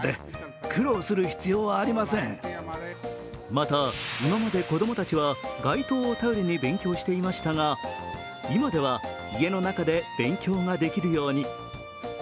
また今まで子供たちは街灯を頼りに勉強していましたが今では家の中で勉強ができるように。